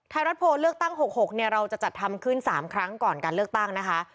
รัฐโพลเลือกตั้ง๖๖เราจะจัดทำขึ้น๓ครั้งก่อนการเลือกตั้งนะคะ